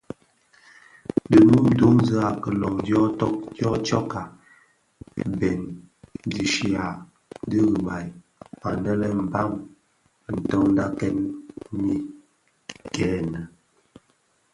Di mum duňzi a kiloň dyo tsokka bèn dhishya di ribaï anë lè Mbam ntondakèn mii gene.